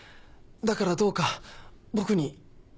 だからどうか僕に。